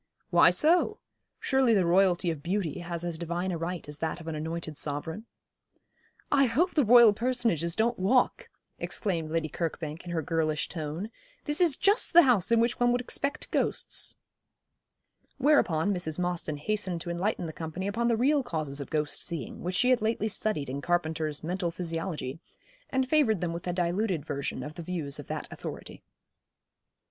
'Why so? Surely the Royalty of beauty has as divine a right as that of an anointed sovereign.' 'I hope the Royal personages don't walk,' exclaimed Lady Kirkbank, in her girlish tone; 'this is just the house in which one would expect ghosts.' Whereupon Mrs. Mostyn hastened to enlighten the company upon the real causes of ghost seeing, which she had lately studied in Carpenter's 'Mental Physiology,' and favoured them with a diluted version of the views of that authority.